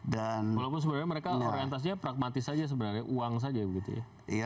walaupun sebenarnya mereka orientasinya pragmatis saja sebenarnya uang saja begitu ya